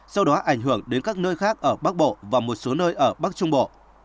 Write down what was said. sau đó ảnh hưởng đến các nơi khác ở bắc bộ và một số nơi ở bắc trung bộ